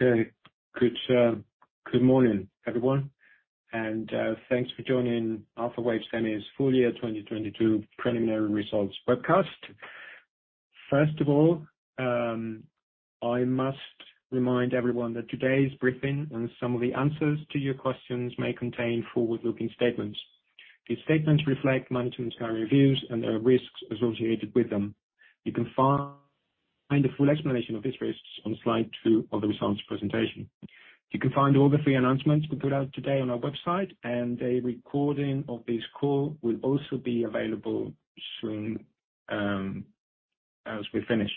Okay. Good morning, everyone, and thanks for joining Alphawave Semi's full year 2022 preliminary results webcast. First of all, I must remind everyone that today's briefing and some of the answers to your questions may contain forward-looking statements. These statements reflect management's current views and there are risks associated with them. You can find the full explanation of these risks on Slide 2 of the results presentation. You can find all the three announcements we put out today on our website, and a recording of this call will also be available soon as we finish.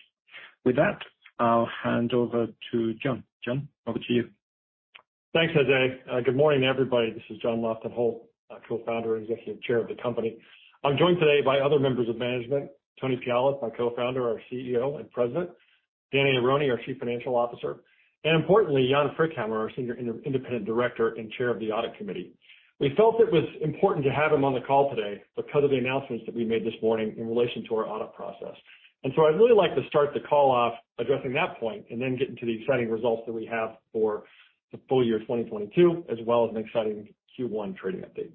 With that, I'll hand over to John. John, over to you. Thanks, Jose. Good morning, everybody. This is John Lofton Holt, Co-Founder and Executive Chair of the company. I'm joined today by other members of management, Tony Pialis, my Co-Founder, our CEO and President. Daniel Aharoni, our Chief Financial Officer, and importantly, Jan Frykhammar, our Senior Independent Director and Chair of the Audit Committee. We felt it was important to have him on the call today because of the announcements that we made this morning in relation to our audit process. I'd really like to start the call off addressing that point and then get into the exciting results that we have for the full year 2022, as well as an exciting Q1 trading update.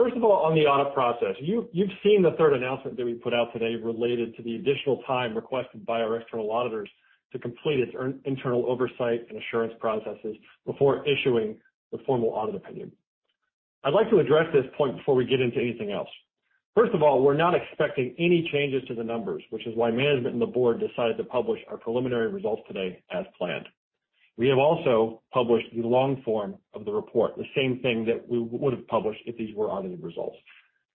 First of all, on the audit process. You've seen the third announcement that we put out today related to the additional time requested by our external auditors to complete its internal oversight and assurance processes before issuing the formal audit opinion. I'd like to address this point before we get into anything else. First of all, we're not expecting any changes to the numbers, which is why management and the Board decided to publish our preliminary results today as planned. We have also published the long form of the report, the same thing that we would have published if these were audited results.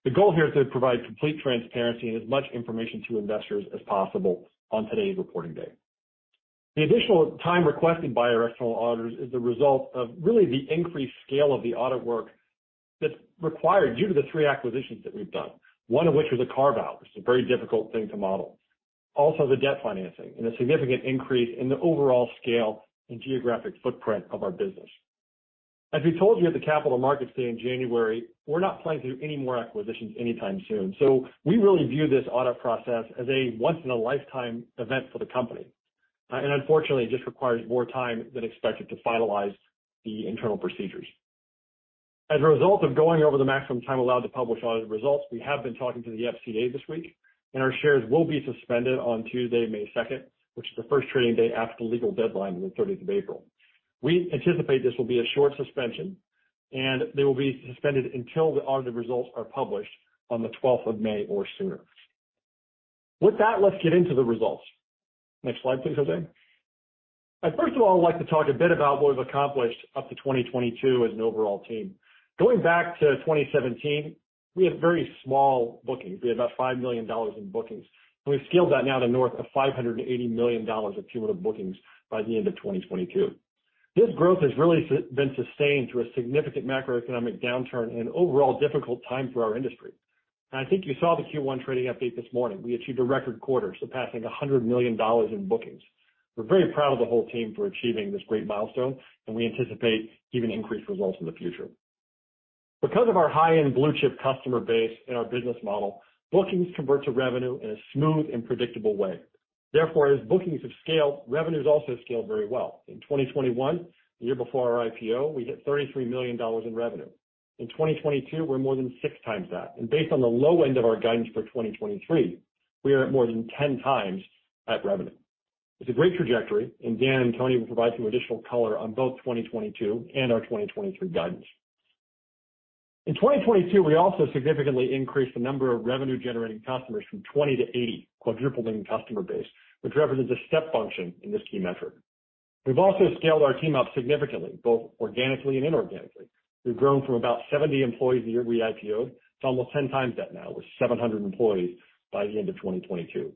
The goal here is to provide complete transparency and as much information to investors as possible on today's reporting day. The additional time requested by our external auditors is the result of really the increased scale of the audit work that's required due to the three acquisitions that we've done, one of which was a carve-out, which is a very difficult thing to model. Also, the debt financing and a significant increase in the overall scale and geographic footprint of our business. As we told you at the Capital Markets Day in January, we're not planning to do any more acquisitions anytime soon, so we really view this audit process as a once-in-a-lifetime event for the company. Unfortunately, it just requires more time than expected to finalize the internal procedures. As a result of going over the maximum time allowed to publish audited results, we have been talking to the FCA this week, and our shares will be suspended on Tuesday, May 2nd, which is the first trading day after the legal deadline on the 30th of April. We anticipate this will be a short suspension, and they will be suspended until the audited results are published on the 12th of May or sooner. With that, let's get into the results. Next slide, please, Jose. I'd first of all like to talk a bit about what we've accomplished up to 2022 as an overall team. Going back to 2017, we had very small bookings. We had about $5 million in bookings, and we've scaled that now to north of $580 million of cumulative bookings by the end of 2022. This growth has really been sustained through a significant macroeconomic downturn and overall difficult time for our industry. I think you saw the Q1 trading update this morning. We achieved a record quarter surpassing $100 million in bookings. We're very proud of the whole team for achieving this great milestone. We anticipate even increased results in the future. Because of our high-end blue chip customer base and our business model, bookings convert to revenue in a smooth and predictable way. Therefore, as bookings have scaled, revenues also scaled very well. In 2021, the year before our IPO, we hit $33 million in revenue. In 2022, we're more than six times that. Based on the low end of our guidance for 2023, we are at more than 10 times that revenue. It's a great trajectory, and Dan and Tony will provide some additional color on both 2022 and our 2023 guidance. In 2022, we also significantly increased the number of revenue-generating customers from 20 to 80, quadrupling the customer base, which represents a step function in this key metric. We've also scaled our team up significantly, both organically and inorganically. We've grown from about 70 employees the year we IPO'd to almost 10 times that now. We're 700 employees by the end of 2022.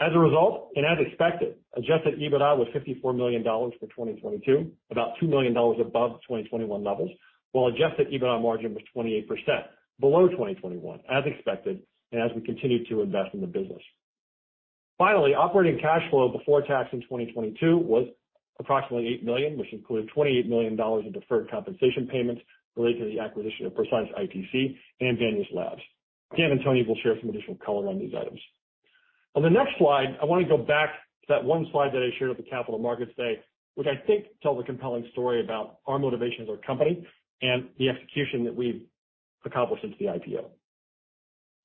As a result, as expected, adjusted EBITDA was $54 million for 2022, about $2 million above 2021 levels, while adjusted EBITDA margin was 28% below 2021, as expected and as we continue to invest in the business. Finally, operating cash flow before tax in 2022 was approximately $8 million, which included $28 million in deferred compensation payments related to the acquisition of Precise-ITC and Banias Labs. Dan and Tony will share some additional color on these items. On the next slide, I wanna go back to that one slide that I shared at the Capital Markets Day, which I think tells a compelling story about our motivation as a company and the execution that we've accomplished since the IPO.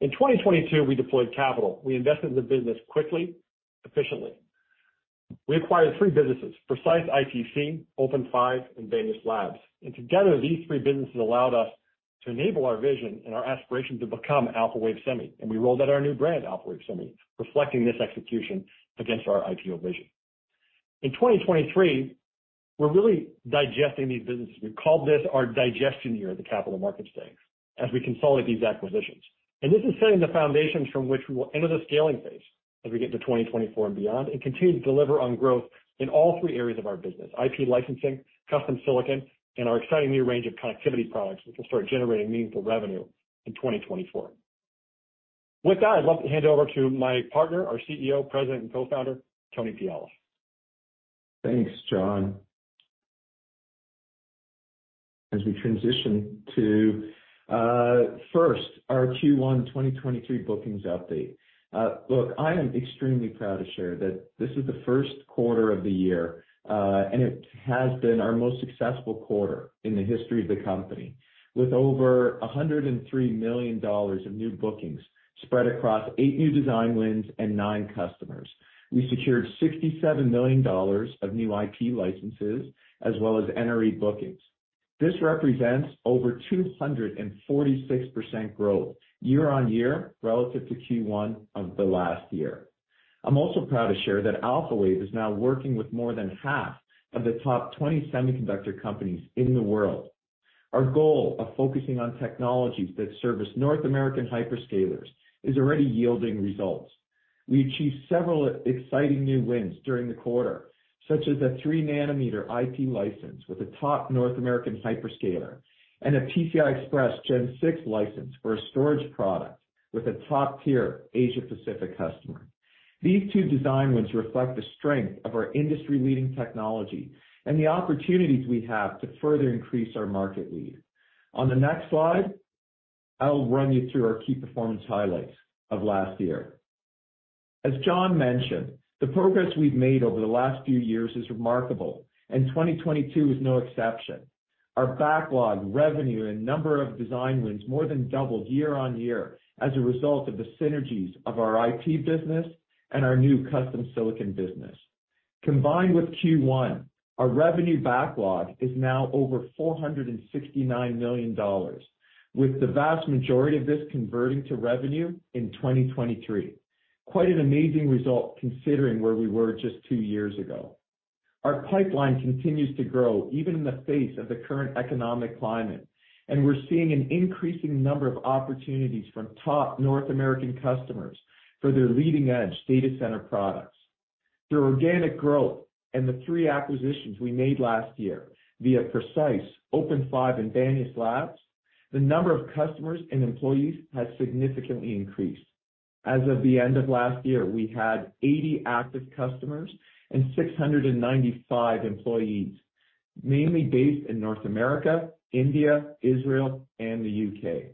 In 2022, we deployed capital. We invested in the business quickly, efficiently. We acquired three businesses, Precise-ITC, OpenFive, and Banias Labs. Together, these three businesses allowed us to enable our vision and our aspiration to become Alphawave Semi. We rolled out our new brand, Alphawave Semi, reflecting this execution against our IPO vision. In 2023, we're really digesting these businesses. We called this our digestion year at the Capital Markets Day as we consolidate these acquisitions. This is setting the foundation from which we will enter the scaling phase as we get to 2024 and beyond and continue to deliver on growth in all three areas of our business, IP licensing, custom silicon, and our exciting new range of connectivity products, which will start generating meaningful revenue in 2024. With that, I'd love to hand over to my partner, our CEO, President and Co-Founder, Tony Pialis. Thanks, John. As we transition to first our Q1 2023 bookings update. Look, I'm extremely proud to share that this is the first quarter of the year, and it has been our most successful quarter in the history of the company. With over $103 million of new bookings spread across eight new design wins and nine customers. We secured $67 million of new IP licenses as well as NRE bookings. This represents over 246% growth year-over-year relative to Q1 of the last year. I'm also proud to share that Alphawave is now working with more than half of the top 20 semiconductor companies in the world. Our goal of focusing on technologies that service North American hyperscalers is already yielding results. We achieved several exciting new wins during the quarter, such as a 3-nm IP license with a top North American hyperscaler and a PCI Express Gen 6 license for a storage product with a top-tier Asia-Pacific customer. These two design wins reflect the strength of our industry-leading technology and the opportunities we have to further increase our market lead. On the next slide, I'll run you through our key performance highlights of last year. As John mentioned, the progress we've made over the last few years is remarkable, and 2022 is no exception. Our backlog, revenue, and number of design wins more than doubled year-on-year as a result of the synergies of our IP business and our new custom silicon business. Combined with Q1, our revenue backlog is now over $469 million, with the vast majority of this converting to revenue in 2023. Quite an amazing result considering where we were just two years ago. Our pipeline continues to grow even in the face of the current economic climate, and we're seeing an increasing number of opportunities from top North American customers for their leading-edge data center products. Through organic growth and the three acquisitions we made last year via Precise, OpenFive, and Banias Labs, the number of customers and employees has significantly increased. As of the end of last year, we had 80 active customers and 695 employees, mainly based in North America, India, Israel, and the U.K.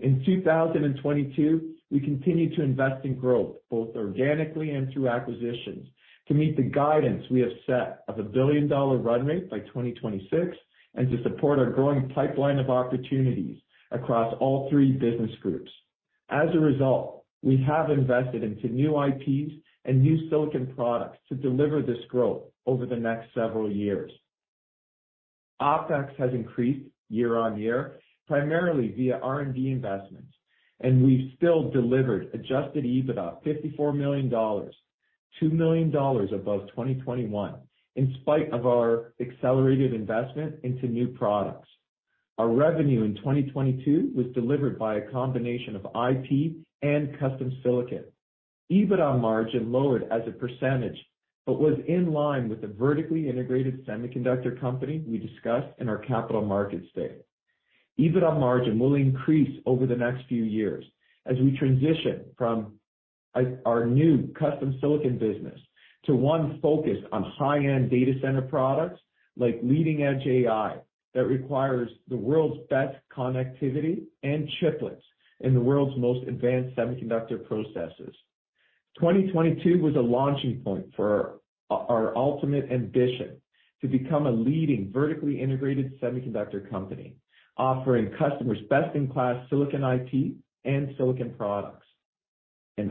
In 2022, we continued to invest in growth, both organically and through acquisitions, to meet the guidance we have set of $1 billion run rate by 2026 and to support our growing pipeline of opportunities across all three business groups. As a result, we have invested into new IPs and new silicon products to deliver this growth over the next several years. OpEx has increased year-on-year, primarily via R&D investments. We've still delivered adjusted EBITDA $54 million, $2 million above 2021, in spite of our accelerated investment into new products. Our revenue in 2022 was delivered by a combination of IP and custom silicon. EBITDA margin lowered as a percentage, but was in line with the vertically integrated semiconductor company we discussed in our Capital Markets Day. EBITDA margin will increase over the next few years as we transition from our new custom silicon business to one focused on high-end data center products like leading-edge AI that requires the world's best connectivity and chiplets in the world's most advanced semiconductor processes. 2022 was a launching point for our ultimate ambition to become a leading vertically integrated semiconductor company, offering customers best-in-class silicon IP and silicon products.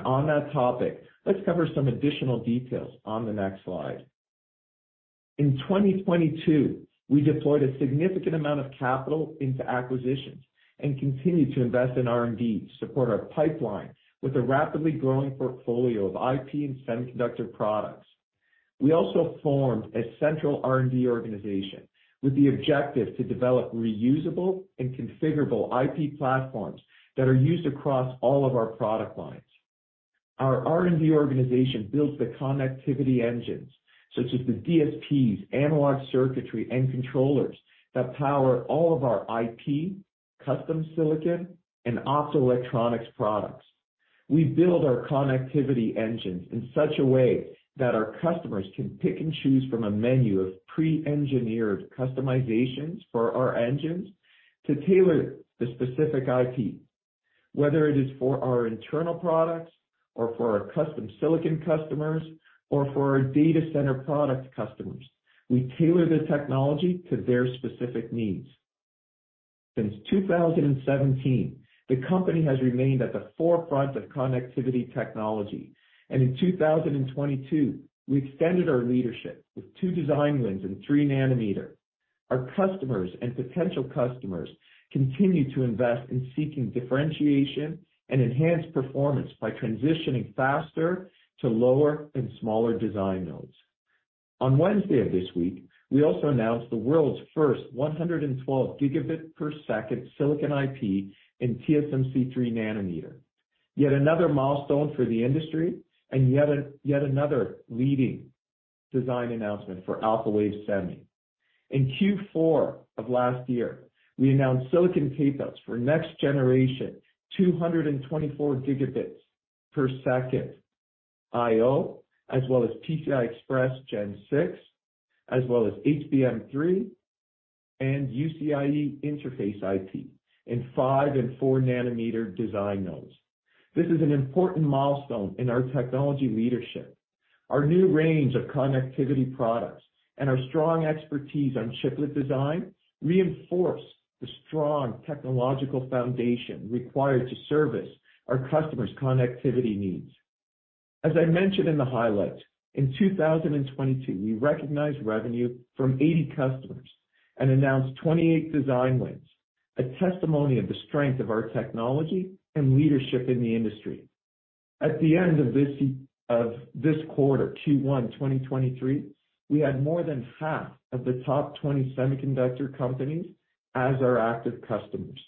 On that topic, let's cover some additional details on the next slide. In 2022, we deployed a significant amount of capital into acquisitions and continued to invest in R&D to support our pipeline with a rapidly growing portfolio of IP and semiconductor products. We also formed a central R&D organization with the objective to develop reusable and configurable IP platforms that are used across all of our product lines. Our R&D organization builds the connectivity engines such as the DSPs, analog circuitry, and controllers that power all of our IP, custom silicon, and optoelectronics products. We build our connectivity engines in such a way that our customers can pick and choose from a menu of pre-engineered customizations for our engines to tailor the specific IP. Whether it is for our internal products or for our custom silicon customers or for our data center product customers, we tailor the technology to their specific needs. Since 2017, the company has remained at the forefront of connectivity technology, and in 2022, we extended our leadership with two design wins in 3 nm. Our customers and potential customers continue to invest in seeking differentiation and enhanced performance by transitioning faster to lower and smaller design nodes. On Wednesday of this week, we also announced the world's first 112 Gbps silicon IP in TSMC 3-nm. Yet another milestone for the industry yet another leading design announcement for Alphawave Semi. In Q4 of last year, we announced silicon tape outs for next generation 224 Gbps IO, as well as PCIe Gen 6, as well as HBM3 and UCIe interface IP in 5 nm and 4 nm design nodes. This is an important milestone in our technology leadership. Our new range of connectivity products and our strong expertise on chiplet design reinforce the strong technological foundation required to service our customers' connectivity needs. As I mentioned in the highlights, in 2022, we recognized revenue from 80 customers and announced 28 design wins, a testimony of the strength of our technology and leadership in the industry. At the end of this quarter, Q1 2023, we had more than half of the top 20 semiconductor companies as our active customers.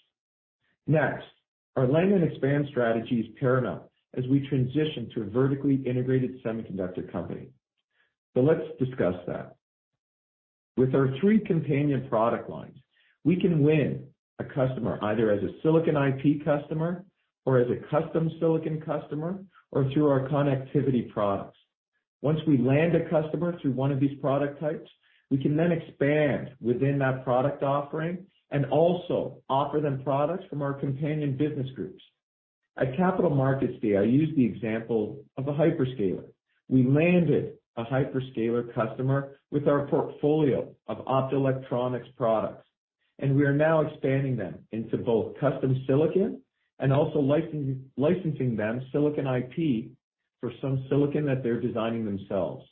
Next, our land and expand strategy is paramount as we transition to a vertically integrated semiconductor company. Let's discuss that. With our three companion product lines, we can win a customer either as a silicon IP customer or as a custom silicon customer, or through our connectivity products. Once we land a customer through one of these product types, we can then expand within that product offering and also offer them products from our companion business groups. At Capital Markets Day, I used the example of a hyperscaler. We landed a hyperscaler customer with our portfolio of optoelectronics products, and we are now expanding them into both custom silicon and also licensing them silicon IP for some silicon that they're designing themselves.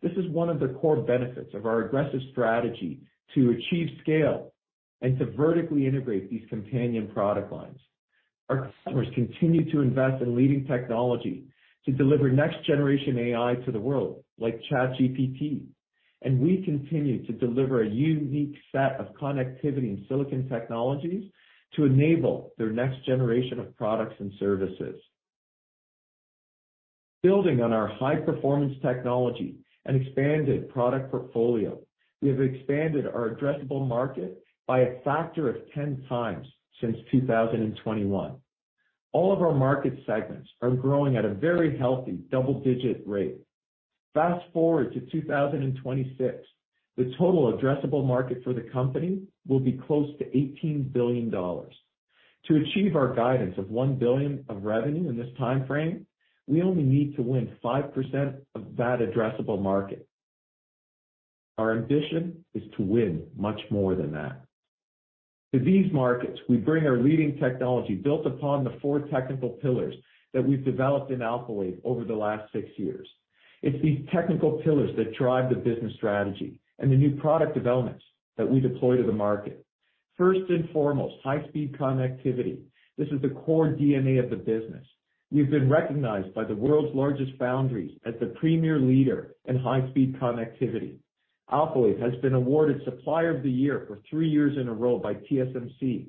This is one of the core benefits of our aggressive strategy to achieve scale and to vertically integrate these companion product lines. Our customers continue to invest in leading technology to deliver next-generation AI to the world, like ChatGPT, and we continue to deliver a unique set of connectivity and silicon technologies to enable their next generation of products and services. Building on our high-performance technology and expanded product portfolio, we have expanded our addressable market by a factor of 10 times since 2021. All of our market segments are growing at a very healthy double-digit rate. Fast-forward to 2026, the total addressable market for the company will be close to $18 billion. To achieve our guidance of $1 billion of revenue in this time frame, we only need to win 5% of that addressable market. Our ambition is to win much more than that. To these markets, we bring our leading technology built upon the four technical pillars that we've developed in Alphawave over the last six years. It's these technical pillars that drive the business strategy and the new product developments that we deploy to the market. First and foremost, high-speed connectivity. This is the core DNA of the business. We've been recognized by the world's largest foundries as the premier leader in high-speed connectivity. Alphawave has been awarded Supplier of the Year for three years in a row by TSMC.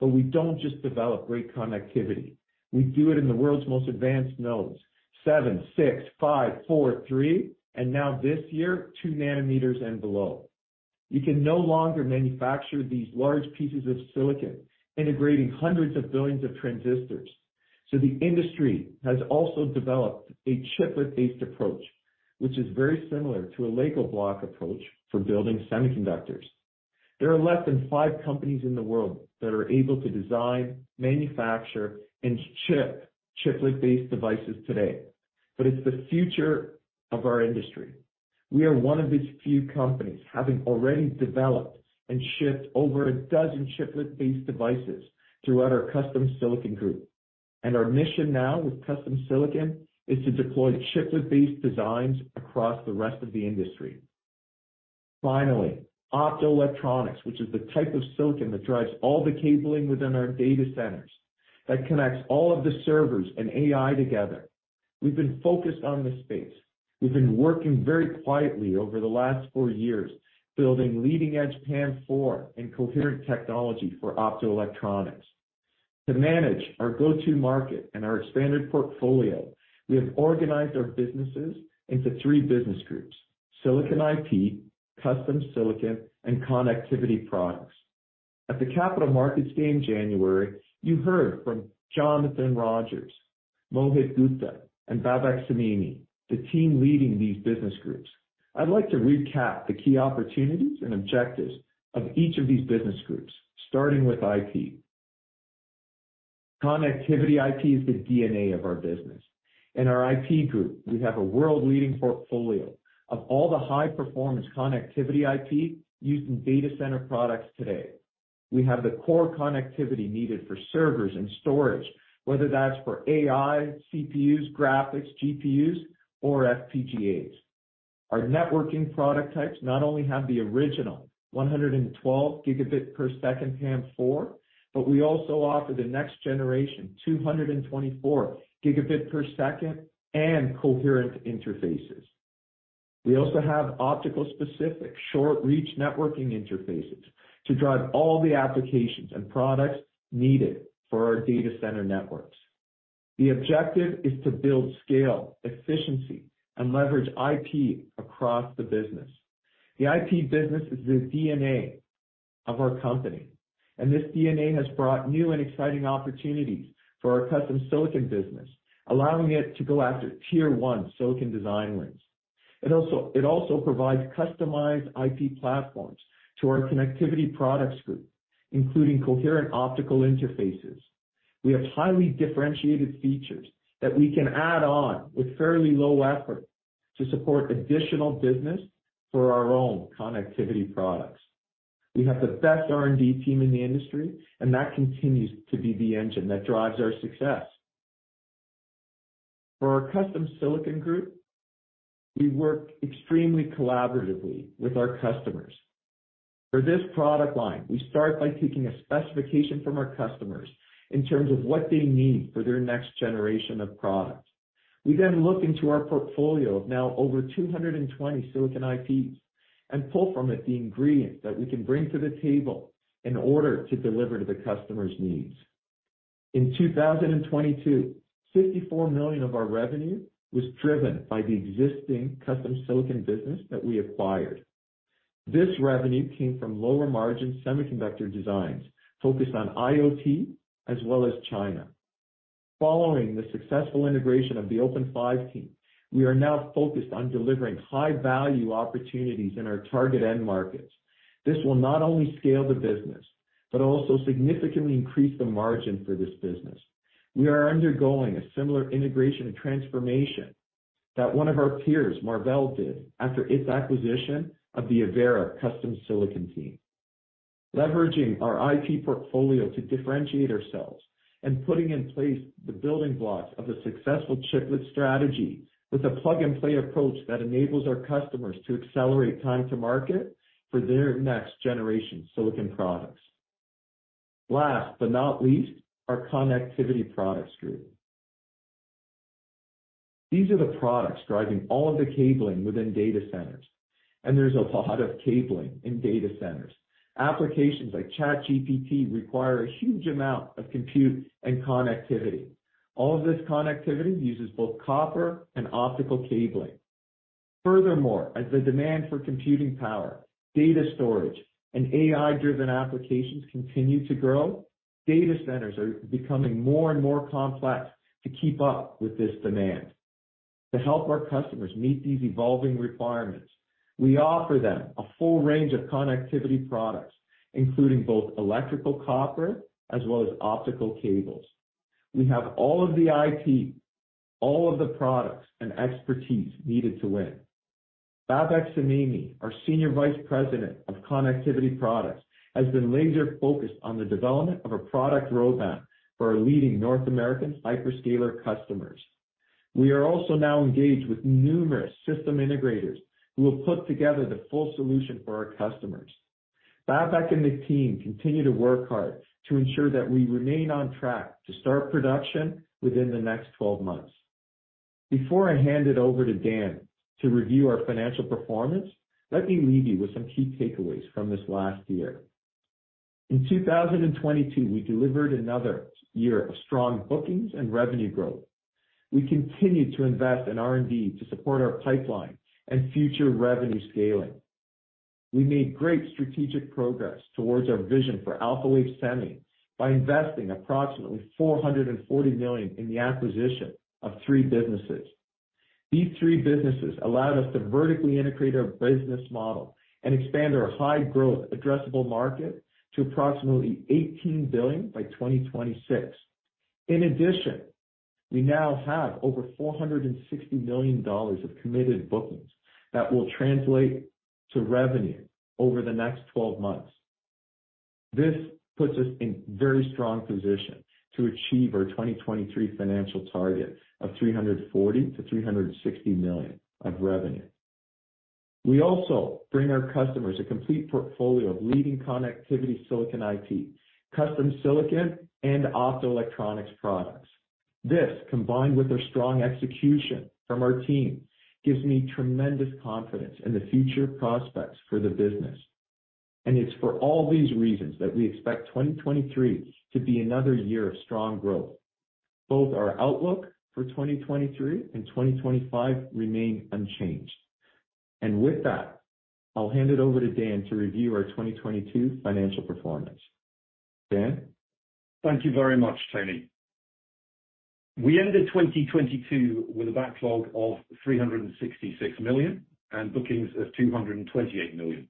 We don't just develop great connectivity. We do it in the world's most advanced nodes, 7 nm, 6 nm, 5 nm, 4 nm, 3 nm, and now this year, 2 nm and below. You can no longer manufacture these large pieces of silicon integrating hundreds of billions of transistors, so the industry has also developed a chiplet-based approach, which is very similar to a Lego block approach for building semiconductors. There are less than five companies in the world that are able to design, manufacture, and ship chiplet-based devices today, but it's the future of our industry. We are one of these few companies, having already developed and shipped over a dozen chiplet-based devices throughout our custom silicon group. Our mission now with custom silicon is to deploy chiplet-based designs across the rest of the industry. Finally, optoelectronics, which is the type of silicon that drives all the cabling within our data centers, that connects all of the servers and AI together. We've been focused on this space. We've been working very quietly over the last four years, building leading-edge PAM4 and coherent technology for optoelectronics. To manage our go-to market and our expanded portfolio, we have organized our businesses into three business groups: silicon IP, custom silicon, and connectivity products. At the Capital Markets Day in January, you heard from Jonathan Rogers, Mohit Gupta, and Babak Samimi, the team leading these business groups. I'd like to recap the key opportunities and objectives of each of these business groups, starting with IP. Connectivity IP is the DNA of our business. In our IP group, we have a world-leading portfolio of all the high-performance connectivity IP used in data center products today. We have the core connectivity needed for servers and storage, whether that's for AI, CPUs, graphics, GPUs, or FPGAs. Our networking product types not only have the original 112 Gbps PAM4, but we also offer the next generation, 224 Gbps and coherent interfaces. We also have optical-specific short-reach networking interfaces to drive all the applications and products needed for our data center networks. The objective is to build scale, efficiency, and leverage IP across the business. The IP business is the DNA of our company. This DNA has brought new and exciting opportunities for our custom silicon business, allowing it to go after Tier 1 silicon design wins. It also provides customized IP platforms to our connectivity products group, including coherent optical interfaces. We have highly differentiated features that we can add on with fairly low effort to support additional business for our own connectivity products. We have the best R&D team in the industry. That continues to be the engine that drives our success. For our custom silicon group, we work extremely collaboratively with our customers. For this product line, we start by taking a specification from our customers in terms of what they need for their next generation of products. We look into our portfolio of now over 220 silicon IPs and pull from it the ingredients that we can bring to the table in order to deliver to the customer's needs. In 2022, $54 million of our revenue was driven by the existing custom silicon business that we acquired. This revenue came from lower margin semiconductor designs focused on IoT as well as China. Following the successful integration of the OpenFive team, we are now focused on delivering high value opportunities in our target end markets. This will not only scale the business, but also significantly increase the margin for this business. We are undergoing a similar integration and transformation that one of our peers, Marvell, did after its acquisition of the Avera custom silicon team. Leveraging our IP portfolio to differentiate ourselves and putting in place the building blocks of a successful chiplet strategy with a plug-and-play approach that enables our customers to accelerate time to market for their next generation silicon products. Last but not least, our connectivity products group. These are the products driving all of the cabling within data centers, and there's a lot of cabling in data centers. Applications like ChatGPT require a huge amount of compute and connectivity. All of this connectivity uses both copper and optical cabling. Furthermore, as the demand for computing power, data storage, and AI-driven applications continue to grow, data centers are becoming more and more complex to keep up with this demand. To help our customers meet these evolving requirements, we offer them a full range of connectivity products, including both electrical copper as well as optical cables. We have all of the IP, all of the products and expertise needed to win. Babak Samimi, our Senior Vice President of Connectivity Products, has been laser focused on the development of a product roadmap for our leading North American hyperscaler customers. We are also now engaged with numerous system integrators who will put together the full solution for our customers. Babak and the team continue to work hard to ensure that we remain on track to start production within the next 12 months. Before I hand it over to Dan to review our financial performance, let me leave you with some key takeaways from this last year. In 2022, we delivered another year of strong bookings and revenue growth. We continued to invest in R&D to support our pipeline and future revenue scaling. We made great strategic progress towards our vision for Alphawave Semi by investing approximately $440 million in the acquisition of three businesses. These three businesses allowed us to vertically integrate our business model and expand our high-growth addressable market to approximately $18 billion by 2026. We now have over $460 million of committed bookings that will translate to revenue over the next 12 months. This puts us in very strong position to achieve our 2023 financial target of $340 million-$360 million of revenue. We also bring our customers a complete portfolio of leading connectivity silicon IP, custom silicon, and optoelectronics products. This, combined with our strong execution from our team, gives me tremendous confidence in the future prospects for the business. It's for all these reasons that we expect 2023 to be another year of strong growth. Both our outlook for 2023 and 2025 remain unchanged. With that, I'll hand it over to Dan to review our 2022 financial performance. Dan? Thank you very much, Tony. We ended 2022 with a backlog of $366 million and bookings of $228 million.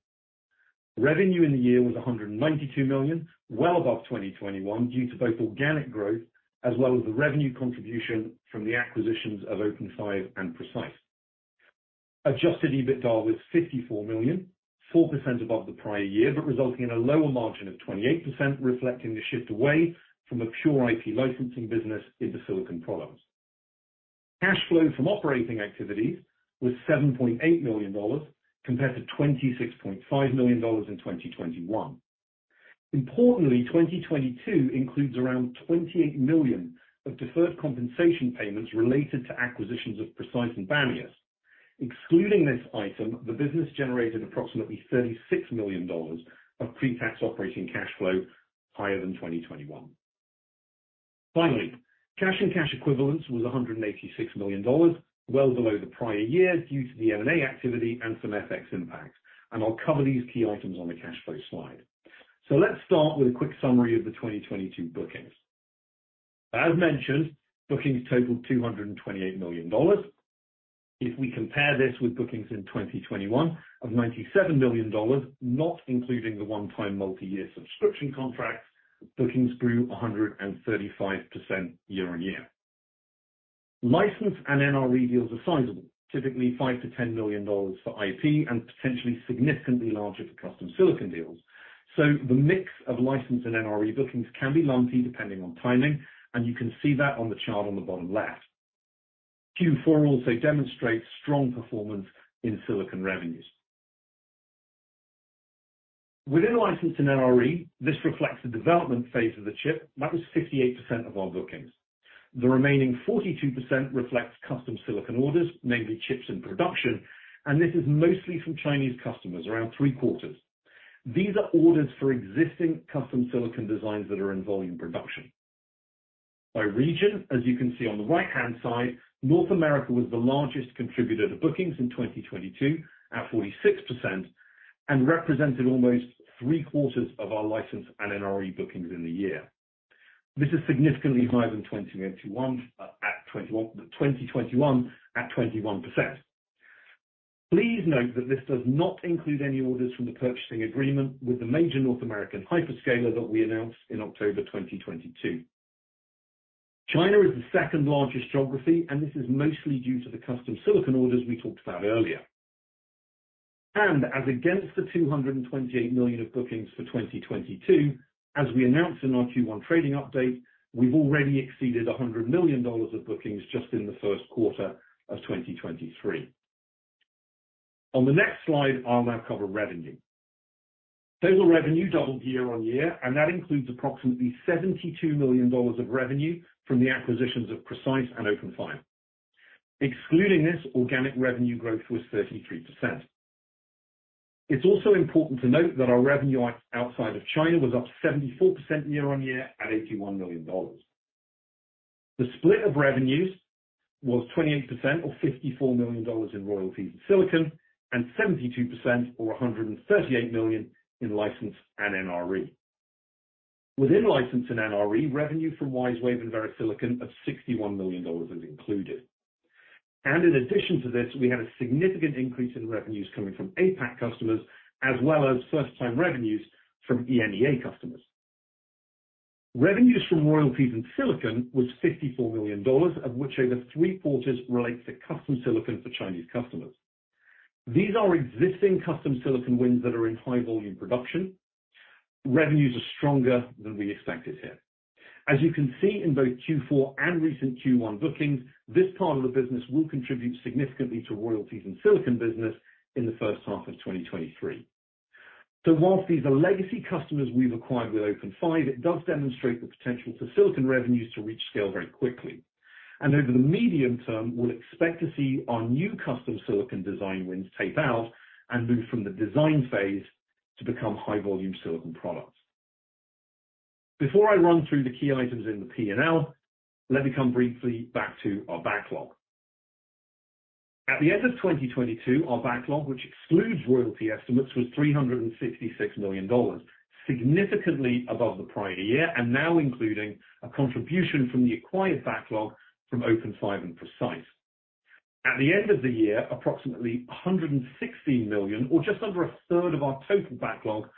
Revenue in the year was $192 million, well above 2021, due to both organic growth as well as the revenue contribution from the acquisitions of OpenFive and Precise. Adjusted EBITDA was $54 million, 4% above the prior year, resulting in a lower margin of 28%, reflecting the shift away from a pure IP licensing business into silicon products. Cash flow from operating activities was $7.8 million compared to $26.5 million in 2021. Importantly, 2022 includes around $28 million of deferred compensation payments related to acquisitions of Precise and Banias. Excluding this item, the business generated approximately $36 million of pre-tax operating cash flow, higher than 2021. Cash and cash equivalents was $186 million, well below the prior year due to the M&A activity and some FX impacts. I'll cover these key items on the cash flow slide. Let's start with a quick summary of the 2022 bookings. As mentioned, bookings totaled $228 million. If we compare this with bookings in 2021 of $97 million, not including the one-time multi-year subscription contracts, bookings grew 135% year-on-year. License and NRE deals are sizable, typically $5 million-$10 million for IP and potentially significantly larger for custom silicon deals. The mix of license and NRE bookings can be lumpy depending on timing, and you can see that on the chart on the bottom left. Q4 also demonstrates strong performance in silicon revenues. Within license and NRE, this reflects the development phase of the chip that was 58% of our bookings. The remaining 42% reflects custom silicon orders, namely chips in production, and this is mostly from Chinese customers, around 3/4. These are orders for existing custom silicon designs that are in volume production. By region, as you can see on the right-hand side, North America was the largest contributor to bookings in 2022 at 46%, and represented almost 3/4 of our license and NRE bookings in the year. This is significantly higher than 2021 at 21%. Please note that this does not include any orders from the purchasing agreement with the major North American hyperscaler that we announced in October 2022. China is the second largest geography, and this is mostly due to the custom silicon orders we talked about earlier. As against the $228 million of bookings for 2022, as we announced in our Q1 trading update, we've already exceeded $100 million of bookings just in the first quarter of 2023. On the next slide, I'm gonna cover revenue. Total revenue doubled year-over-year, and that includes approximately $72 million of revenue from the acquisitions of Precise and OpenFive. Excluding this, organic revenue growth was 33%. It's also important to note that our revenue outside of China was up 74% year-over-year at $81 million. The split of revenues was 28% or $54 million in royalties and silicon, and 72% or $138 million in license and NRE. Within license and NRE, revenue from WiseWave and VeriSilicon of $61 million is included. In addition to this, we had a significant increase in revenues coming from APAC customers as well as first-time revenues from EMEA customers. Revenues from royalties and silicon was $54 million, of which over 3/4 relate to custom silicon for Chinese customers. These are existing custom silicon wins that are in high volume production. Revenues are stronger than we expected here. As you can see in both Q4 and recent Q1 bookings, this part of the business will contribute significantly to royalties and silicon business in the first half of 2023. Whilst these are legacy customers we've acquired with OpenFive, it does demonstrate the potential for silicon revenues to reach scale very quickly. Over the medium term, we'll expect to see our new custom silicon design wins tape out and move from the design phase to become high volume silicon products. Before I run through the key items in the P&L, let me come briefly back to our backlog. At the end of 2022, our backlog, which excludes royalty estimates, was $366 million, significantly above the prior year and now including a contribution from the acquired backlog from OpenFive and Precise. At the end of the year, approximately $160 million, or just under 1/3 of our total backlog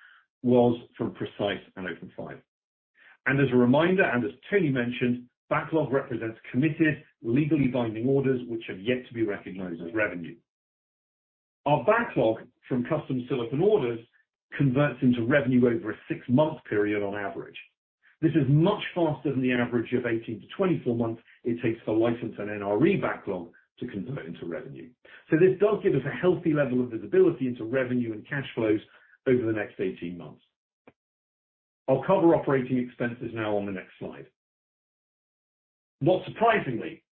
was from Precise and OpenFive. As a reminder, as Tony mentioned, backlog represents committed, legally binding orders which have yet to be recognized as revenue. Our backlog from custom silicon orders converts into revenue over a six-month period on average. This is much faster than the average of 18-24 months it takes for license and NRE backlog to convert into revenue. This does give us a healthy level of visibility into revenue and cash flows over the next 18 months. I'll cover operating expenses now on the next slide. Not surprisingly,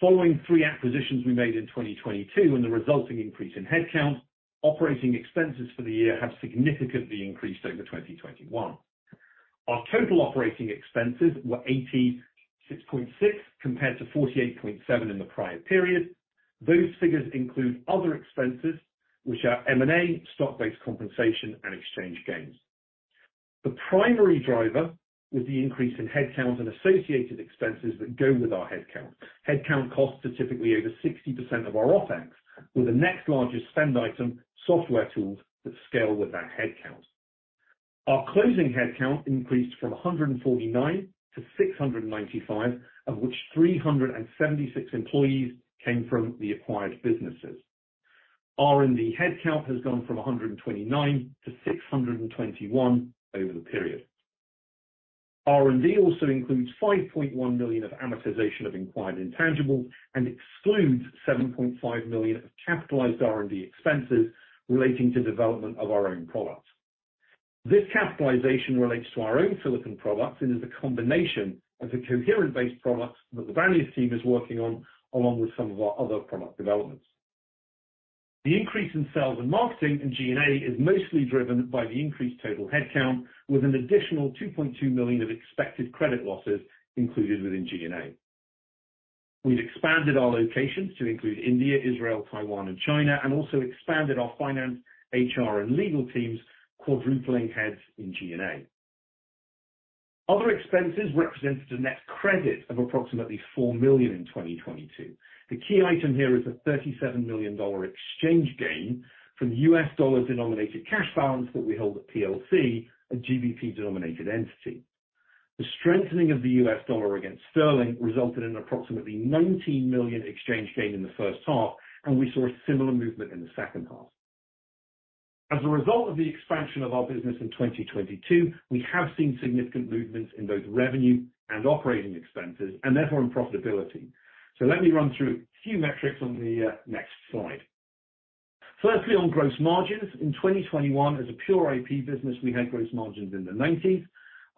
following three acquisitions we made in 2022 and the resulting increase in headcount, operating expenses for the year have significantly increased over 2021. Our total operating expenses were $86.6 compared to $48.7 in the prior period. Those figures include other expenses which are M&A, stock-based compensation, and exchange gains. The primary driver was the increase in headcount and associated expenses that go with our headcount. Headcount costs are typically over 60% of our OpEx, with the next largest spend item, software tools that scale with that headcount. Our closing headcount increased from 149 to 695, of which 376 employees came from the acquired businesses. R&D headcount has gone from 129 to 621 over the period. R&D also includes $5.1 million of amortization of acquired intangibles and excludes $7.5 million of capitalized R&D expenses relating to development of our own products. This capitalization relates to our own silicon products and is a combination of the coherent-based products that the Banias team is working on along with some of our other product developments. The increase in sales and marketing in G&A is mostly driven by the increased total headcount, with an additional $2.2 million of expected credit losses included within G&A. We've expanded our locations to include India, Israel, Taiwan, and China, and also expanded our finance, HR, and legal teams, quadrupling heads in G&A. Other expenses represented a net credit of approximately $4 million in 2022. The key item here is the $37 million exchange gain from U.S. dollar-denominated cash balance that we hold at PLC, a GBP-denominated entity. The strengthening of the U.S. dollar against sterling resulted in approximately $19 million exchange gain in the first half, and we saw a similar movement in the second half. As a result of the expansion of our business in 2022, we have seen significant movements in both revenue and operating expenses, and therefore in profitability. Let me run through a few metrics on the next slide. Firstly, on gross margins, in 2021, as a pure IP business, we had gross margins in the 90s.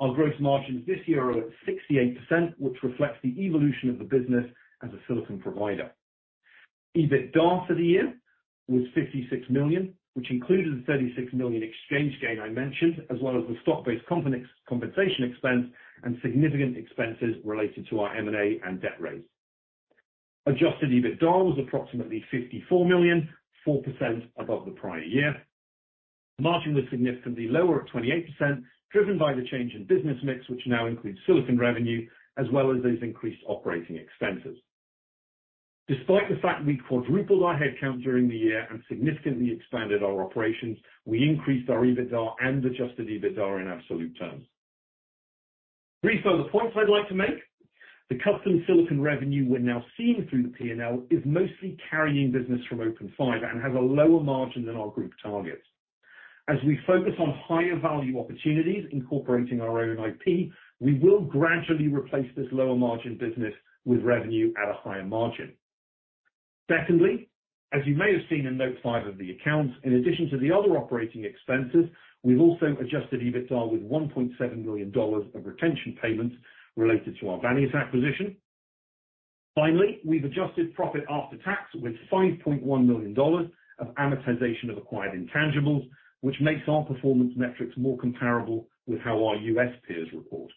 Our gross margins this year are at 68%, which reflects the evolution of the business as a silicon provider. EBITDA for the year was $56 million, which included the $36 million exchange gain I mentioned, as well as the stock-based compensation expense and significant expenses related to our M&A and debt raise. Adjusted EBITDA was approximately $54 million, 4% above the prior year. Margin was significantly lower at 28%, driven by the change in business mix, which now includes silicon revenue, as well as those increased operating expenses. Despite the fact we quadrupled our headcount during the year and significantly expanded our operations, we increased our EBITDA and adjusted EBITDA in absolute terms. Three further points I'd like to make. The custom silicon revenue we're now seeing through the P&L is mostly carrying business from OpenFive and has a lower margin than our group targets. As we focus on higher value opportunities incorporating our own IP, we will gradually replace this lower margin business with revenue at a higher margin. Secondly, as you may have seen in Note 5 of the accounts, in addition to the other operating expenses, we've also adjusted EBITDA with $1.7 million of retention payments related to our Banias acquisition. Finally, we've adjusted profit after tax with $5.1 million of amortization of acquired intangibles, which makes our performance metrics more comparable with how our U.S. peers report.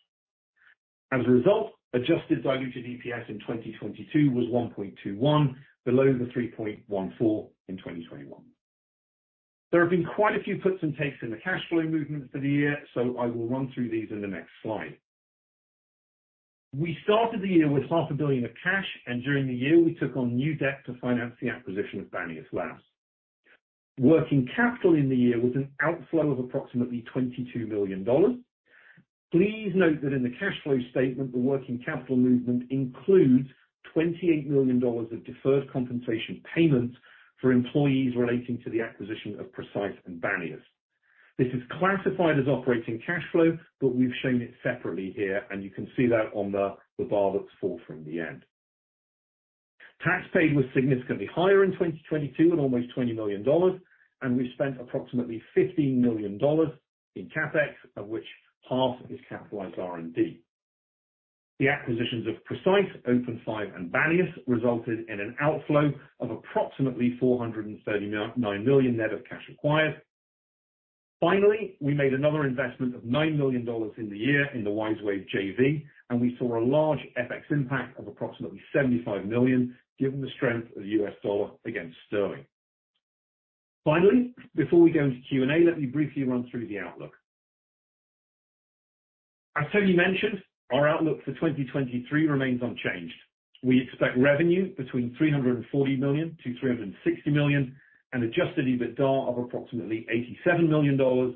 As a result, adjusted diluted EPS in 2022 was 1.21, below the 3.14 in 2021. There have been quite a few puts and takes in the cash flow movement for the year. I will run through these in the next slide. We started the year with $0.50 billion of cash. During the year, we took on new debt to finance the acquisition of Banias Labs. Working capital in the year was an outflow of approximately $22 million. Please note that in the cash flow statement, the working capital movement includes $28 million of deferred compensation payments for employees relating to the acquisition of Precise and Banias. This is classified as operating cash flow. We've shown it separately here. You can see that on the bar that's fourth from the end. Tax paid was significantly higher in 2022 at almost $20 million, and we spent approximately $15 million in CapEx, of which half is capitalized R&D. The acquisitions of Precise, OpenFive, and Banias resulted in an outflow of approximately $439 million net of cash acquired. Finally, we made another investment of $9 million in the year in the WiseWave JV, and we saw a large FX impact of approximately $75 million, given the strength of the U.S. dollar against sterling. Finally, before we go into Q&A, let me briefly run through the outlook. As Tony mentioned, our outlook for 2023 remains unchanged. We expect revenue between $340 million-$360 million and adjusted EBITDA of approximately $87 million or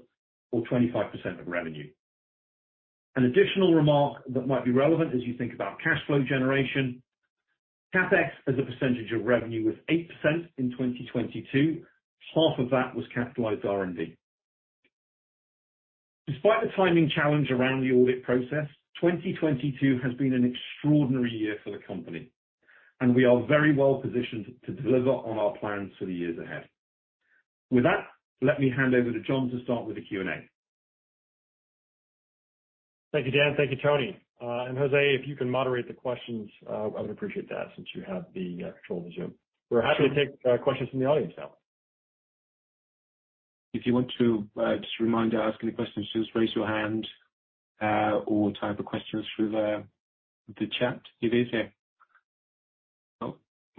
25% of revenue. An additional remark that might be relevant as you think about cash flow generation, CapEx as a percentage of revenue was 8% in 2022. Half of that was capitalized R&D. Despite the timing challenge around the audit process, 2022 has been an extraordinary year for the company, and we are very well positioned to deliver on our plans for the years ahead. With that, let me hand over to John to start with the Q&A. Thank you, Dan. Thank you, Tony. Jose, if you can moderate the questions, I would appreciate that since you have the control of the Zoom. Sure. We're happy to take questions from the audience now. If you want to, just a reminder, ask any questions, just raise your hand, or type a question through the chat. It is there. Oh,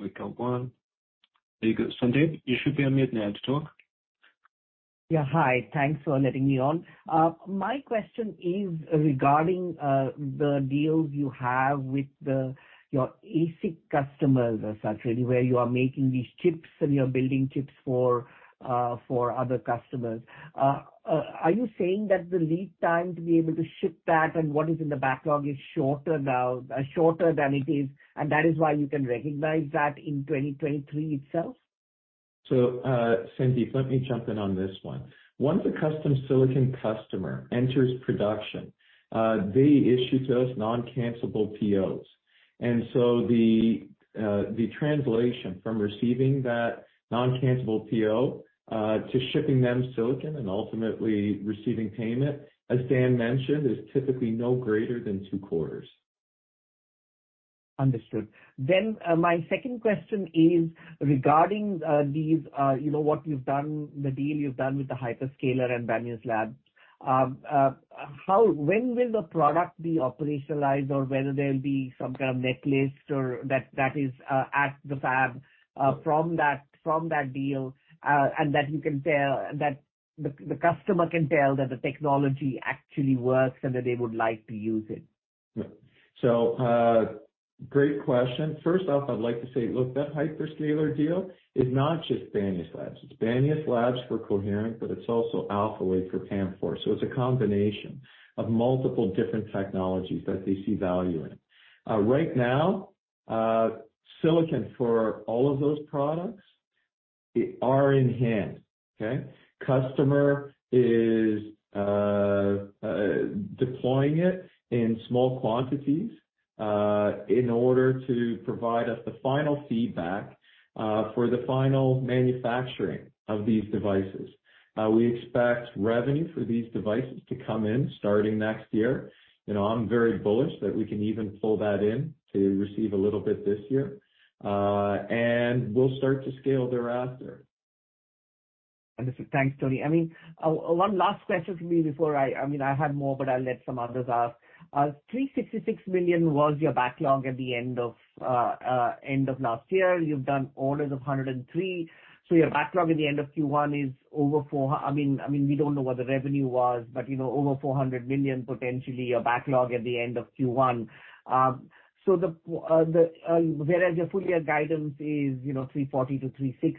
we got one. There you go. Sandeep, you should be unmuted now to talk. Yeah, hi. Thanks for letting me on. My question is regarding the deal you have with the customers, such, where you are making these chips, you are building chips for other customers, are you saying that the lead time to be able to ship that and what is in the backlog is shorter now, shorter than it is, and that is why you can recognize that in 2023 itself? Sandeep, let me jump in on this one. Once a custom silicon customer enters production, they issue to us non-cancelable POs. And so the translation from receiving that non-cancelable PO, to shipping them silicon and ultimately receiving payment, as Dan mentioned, is typically no greater than two quarters. Understood. My second question is regarding these, you know, what you've done, the deal you've done with the hyperscaler and Banias Labs. When will the product be operationalized or whether there'll be some kind of net list or that is at the fab, from that deal, and that you can tell that the customer can tell that the technology actually works and that they would like to use it? Great question. First off, I'd like to say, look, that hyperscaler deal is not just Banias Labs. It's Banias Labs for coherent, but it's also Alphawave for PAM4. It's a combination of multiple different technologies that they see value in. Right now, silicon for all of those products are in hand. Okay? Customer is deploying it in small quantities in order to provide us the final feedback for the final manufacturing of these devices. We expect revenue for these devices to come in starting next year. You know, I'm very bullish that we can even pull that in to receive a little bit this year. We'll start to scale thereafter. Understood. Thanks, Tony. I mean, one last question for me before I mean, I have more, but I'll let some others ask. $366 million was your backlog at the end of last year. You've done orders of $103 million. Your backlog at the end of Q1 is over $400 million. I mean, we don't know what the revenue was, but, you know, over $400 million potentially your backlog at the end of Q1. So, the, whereas your full year guidance is, you know, $340 million-$360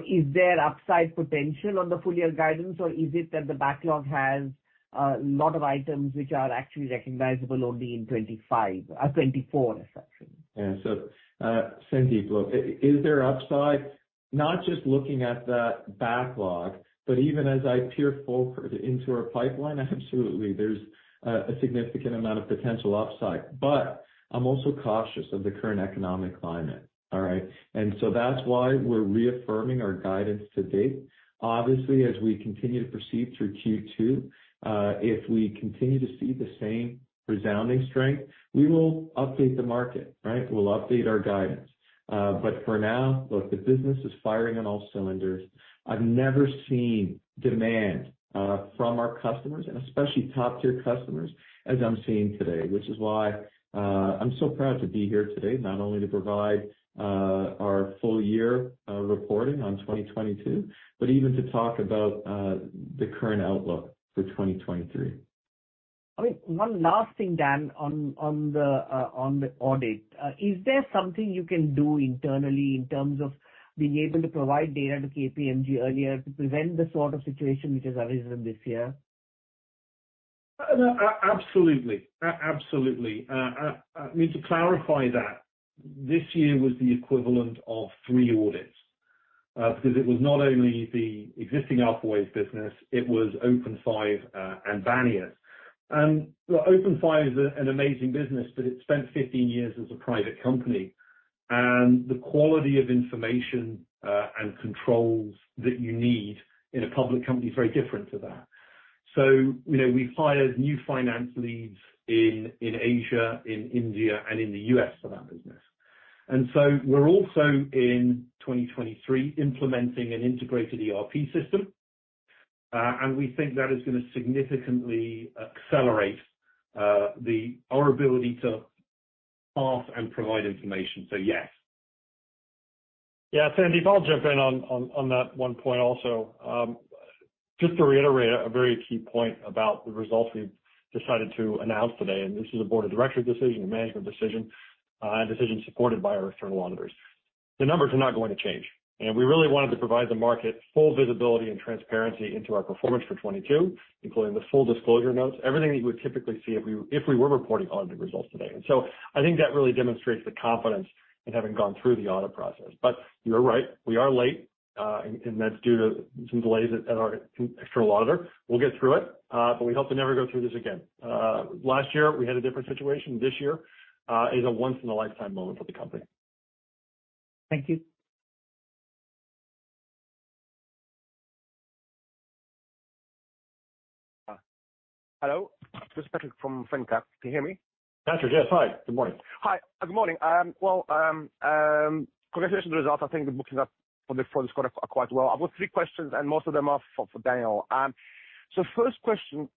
million. Is there upside potential on the full year guidance, or is it that the backlog has a lot of items which are actually recognizable only in 2025 or 2024, essentially? Yeah. Sandeep, look, is there upside? Not just looking at that backlog, but even as I peer forward into our pipeline, absolutely, there's a significant amount of potential upside. But I'm also cautious of the current economic climate. All right? That's why we're reaffirming our guidance to date. Obviously, as we continue to proceed through Q2, if we continue to see the same resounding strength, we will update the market, right? We'll update our guidance. For now, look, the business is firing on all cylinders. I've never seen demand from our customers, and especially top-tier customers, as I'm seeing today. Which is why I'm so proud to be here today, not only to provide our full year reporting on 2022, but even to talk about the current outlook for 2023. I mean, one last thing, Dan, on the audit. Is there something you can do internally in terms of being able to provide data to KPMG earlier to prevent this sort of situation which has arisen this year? No, absolutely. Absolutely. I mean, to clarify that, this year was the equivalent of three audits. Because it was not only the existing Alphawave business, it was OpenFive and Banias. OpenFive is an amazing business, but it spent 15 years as a private company. The quality of information and controls that you need in a public company is very different to that. You know, we hired new finance leads in Asia, in India, and in the U.S. for that business. We're also in 2023 implementing an integrated ERP system. We think that is gonna significantly accelerate our ability to pass and provide information. Yes. Sandeep, I'll jump in on that one point also. Just to reiterate a very key point about the results we've decided to announce today, this is a Board of Directors' decision, a management decision, and decision supported by our external auditors. The numbers are not going to change. We really wanted to provide the market full visibility and transparency into our performance for 2022, including the full disclosure notes, everything that you would typically see if we were reporting audited results today. I think that really demonstrates the confidence in having gone through the audit process. You're right, we are late, and that's due to some delays at our external auditor. We'll get through it, but we hope to never go through this again. Last year, we had a different situation. This year, is a once in a lifetime moment for the company. Thank you. Hello. This is Patrick from [FinCA]. Can you hear me? Patrick, yes. Hi, good morning. Hi. Good morning. Well, congratulations on the results. I think the bookings are quite well. I've got three questions, and most of them are for Daniel. First question,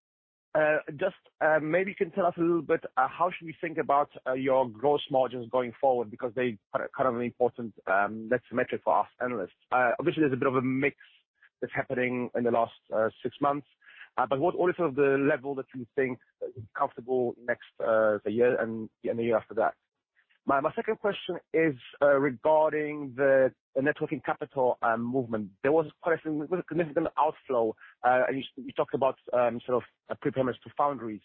just maybe you can tell us a little bit, how should we think about your gross margins going forward? Because they are kind of an important net metric for us analysts. Obviously, there's a bit of a mix that's happening in the last six months. But what order of the level that you think that you'd be comfortable next the year and the year after that. My second question is regarding the net working capital movement. There was quite a significant outflow. And you talked about sort of prepayments to foundries.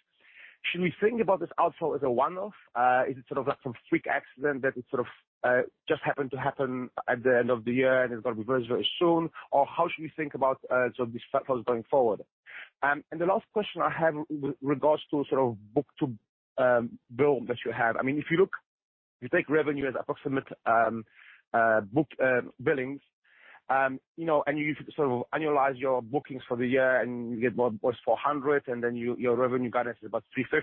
Should we think about this outflow as a one-off? Is it sort of like some freak accident that it sort of just happened to happen at the end of the year and it's gonna reverse very soon? Or how should we think about sort of these factors going forward? The last question I have with regards to sort of book-to-bill that you have. I mean, if you look, if you take revenue as approximate booked billings. You know, and you sort of annualize your bookings for the year, and you get what, +$400 million, and then your revenue guidance is about $350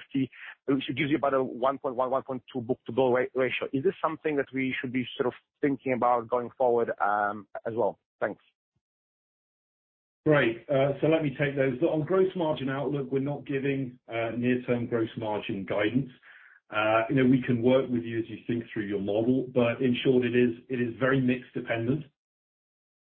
million, which gives you about a 1.1-1.2 book-to-bill ratio. Is this something that we should be sort of thinking about going forward as well? Thanks. Great. Let me take those. On gross margin outlook, we're not giving near-term gross margin guidance. You know, we can work with you as you think through your model, but in short it is very mix dependent.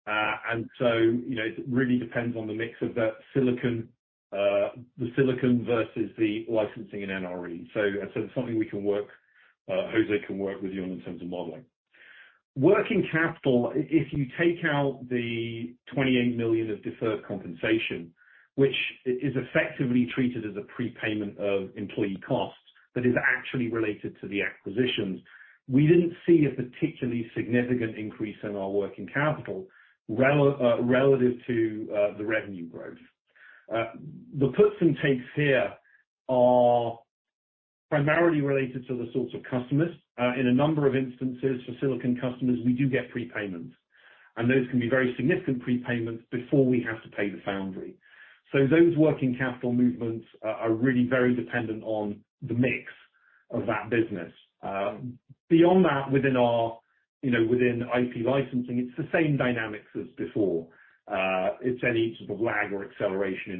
You know, it really depends on the mix of the silicon, the silicon versus the licensing in NRE. It's something we can work, Jose can work with you on in terms of modeling. Working capital, if you take out the $28 million of deferred compensation, which is effectively treated as a prepayment of employee costs, but is actually related to the acquisitions, we didn't see a particularly significant increase in our working capital relative to the revenue growth. The puts and takes here are primarily related to the sorts of customers. In a number of instances for silicon customers, we do get prepayments, and those can be very significant prepayments before we have to pay the foundry. Those working capital movements are really very dependent on the mix of that business. Beyond that, within our, you know, within IP licensing, it's the same dynamics as before. It's any sort of lag or acceleration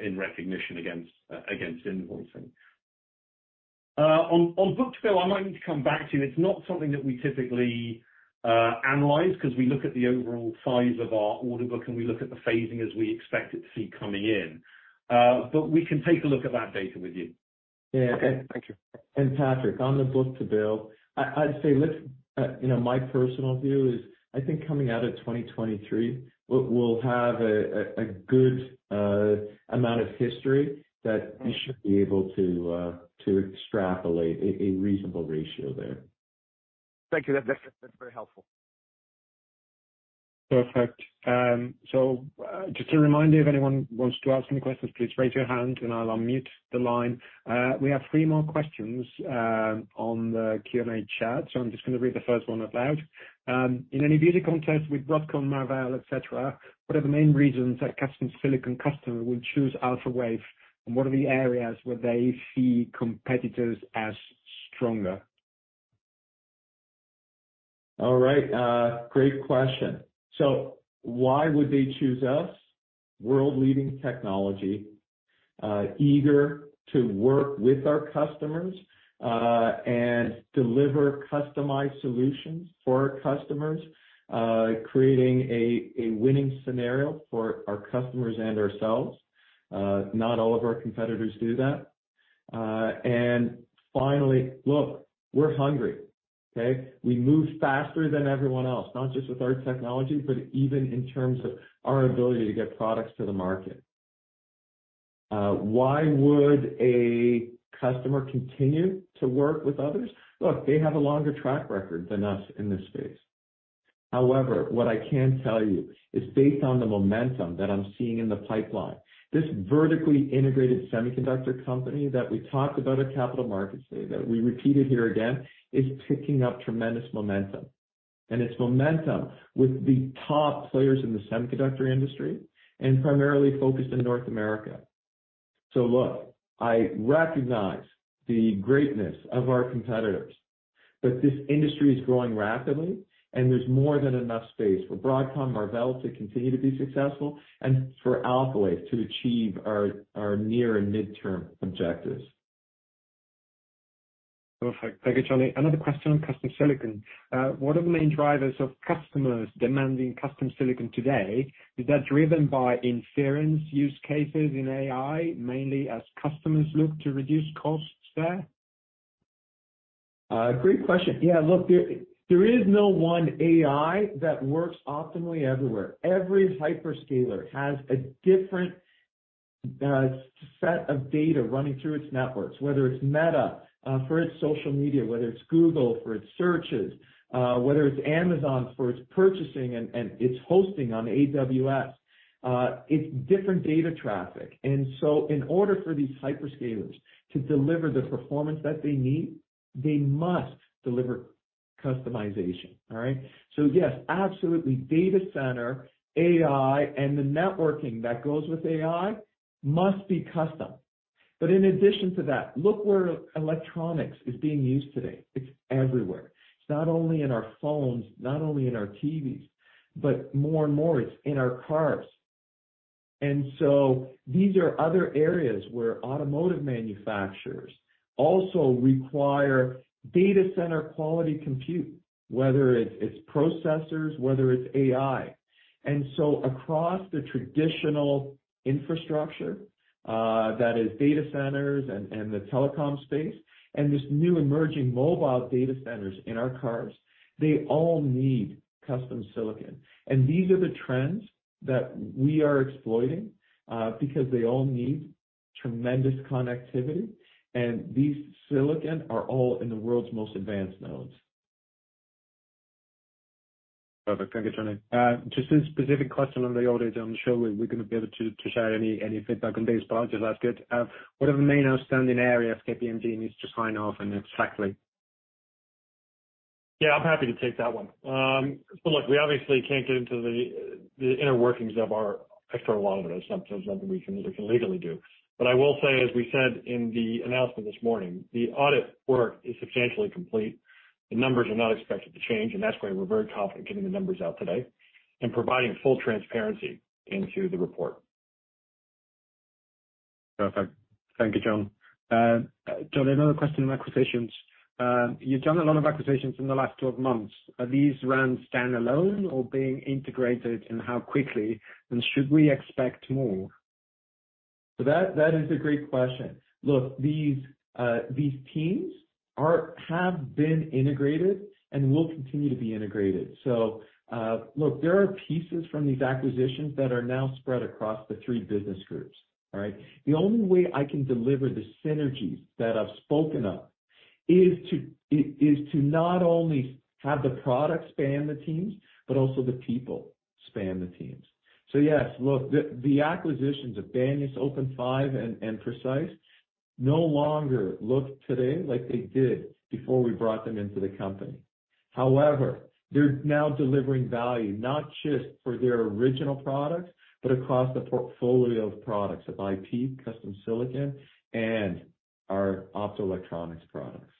in recognition against invoicing. On book-to-bill, I might need to come back to you. It's not something that we typically analyze, because we look at the overall size of our order book, and we look at the phasing as we expect it to see coming in. We can take a look at that data with you. Yeah. Okay. Thank you. Patrick, on the book-to-bill, I'd say let's, you know, my personal view is I think coming out of 2023, we'll have a good amount of history that we should be able to extrapolate a reasonable ratio there. Thank you. That's very helpful. Perfect. Just a reminder, if anyone wants to ask any questions, please raise your hand and I'll unmute the line. We have three more questions on the Q&A chat, I'm just gonna read the first one out loud. In any beauty contest with Broadcom, Marvell, et cetera, what are the main reasons a custom silicon customer would choose Alphawave, and what are the areas where they see competitors as stronger? All right. Great question. Why would they choose us? World-leading technology, eager to work with our customers, and deliver customized solutions for our customers, creating a winning scenario for our customers and ourselves. Not all of our competitors do that. Finally, look, we're hungry, okay? We move faster than everyone else, not just with our technology, but even in terms of our ability to get products to the market. Why would a customer continue to work with others? Look, they have a longer track record than us in this space. However, what I can tell you is based on the momentum that I'm seeing in the pipeline, this vertically integrated semiconductor company that we talked about at Capital Markets Day, that we repeated here again, is picking up tremendous momentum. It's momentum with the top players in the semiconductor industry, primarily focused in North America. Look, I recognize the greatness of our competitors, but this industry is growing rapidly, there's more than enough space for Broadcom, Marvell to continue to be successful and for Alphawave to achieve our near and midterm objectives. Perfect. Thank you, Tony. Another question on custom silicon. What are the main drivers of customers demanding custom silicon today? Is that driven by inference use cases in AI, mainly as customers look to reduce costs there? Great question. Yeah, look, there is no one AI that works optimally everywhere. Every hyperscaler has a different set of data running through its networks, whether it's Meta for its social media, whether it's Google for its searches, whether it's Amazon for its purchasing and its hosting on AWS. It's different data traffic. In order for these hyperscalers to deliver the performance that they need, they must deliver customization. All right? Yes, absolutely, data center, AI, and the networking that goes with AI must be custom. In addition to that, look where electronics is being used today. It's everywhere. It's not only in our phones, not only in our TVs, but more and more it's in our cars. These are other areas where automotive manufacturers also require data center quality compute, whether it's its processors, whether it's AI. Across the traditional infrastructure, that is data centers and the telecom space and this new emerging mobile data centers in our cars, they all need custom silicon. These are the trends that we are exploiting, because they all need tremendous connectivity, and these silicon are all in the world's most advanced nodes. Perfect. Thank you, Tony. Just a specific question on the audit. I'm sure we're gonna be able to share any feedback on this, but I'll just ask it. What are the main outstanding areas KPMG needs to sign off, exactly? Yeah, I'm happy to take that one. Look, we obviously can't get into the inner workings of our external auditors. That's something we can legally do. I will say, as we said in the announcement this morning, the audit work is substantially complete. The numbers are not expected to change, and that's why we're very confident getting the numbers out today and providing full transparency into the report. Perfect. Thank you, John. John, another question on acquisitions. You've done a lot of acquisitions in the last 12 months. Are these run standalone or being integrated, and how quickly, and should we expect more? That, that is a great question. Look, these teams have been integrated and will continue to be integrated. Look, there are pieces from these acquisitions that are now spread across the three business groups. All right? The only way I can deliver the synergies that I've spoken of is to not only have the product span the teams, but also the people span the teams. Yes, look, the acquisitions of Banias, OpenFive, and Precise no longer look today like they did before we brought them into the company. However, they're now delivering value, not just for their original products, but across the portfolio of products of IP, custom silicon, and our optoelectronics products.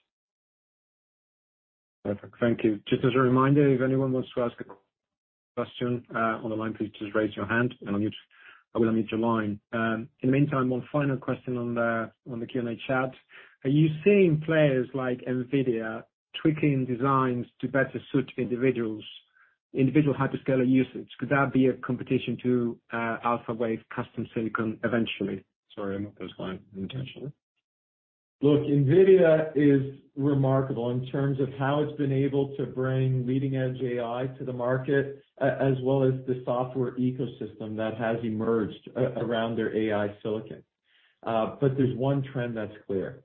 Perfect. Thank you. Just as a reminder, if anyone wants to ask a question on the line, please just raise your hand and I will unmute your line. In the meantime, one final question on the Q&A chat. Are you seeing players like NVIDIA tweaking designs to better suit individuals, individual hyperscaler usage? Could that be a competition to Alphawave custom silicon eventually? Sorry, I muted his line unintentionally. Look, NVIDIA is remarkable in terms of how it's been able to bring leading edge AI to the market, as well as the software ecosystem that has emerged around their AI silicon. There's one trend that's clear.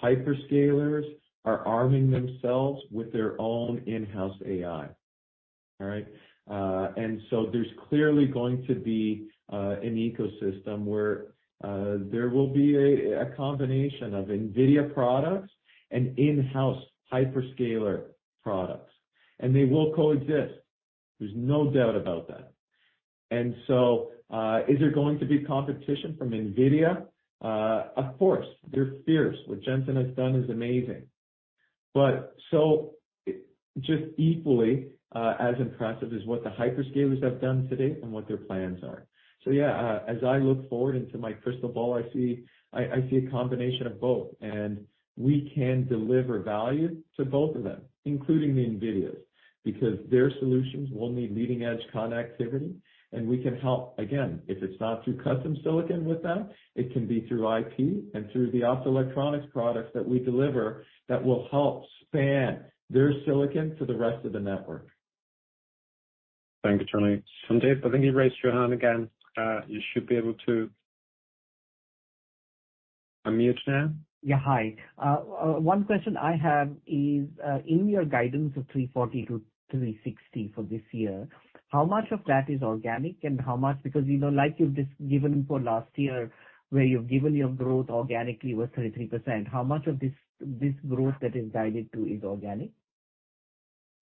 Hyperscalers are arming themselves with their own in-house AI. All right? There's clearly going to be an ecosystem where there will be a combination of NVIDIA products and in-house hyperscaler products, and they will coexist. There's no doubt about that. Is there going to be competition from NVIDIA? Of course. They're fierce. What Jensen has done is amazing. Just equally, as impressive is what the hyperscalers have done to date and what their plans are. Yeah, as I look forward into my crystal ball, I see a combination of both, and we can deliver value to both of them, including the NVIDIAs. Their solutions will need leading-edge connectivity, and we can help. If it's not through custom silicon with them, it can be through IP and through the optoelectronics products that we deliver that will help span their silicon to the rest of the network. Thank you, Tony. Sandeep, I think you raised your hand again. You should be able to unmute now. Yeah. Hi. One question I have is, in your guidance of $340 million-$360 million for this year, how much of that is organic? You know, like you've just given for last year, where you've given your growth organically was 33%. How much of this growth that is guided to is organic?